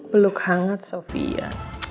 peluk hangat sofia